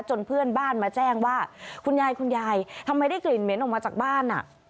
เพื่อนบ้านมาแจ้งว่าคุณยายคุณยายทำไมได้กลิ่นเหม็นออกมาจากบ้านอ่ะ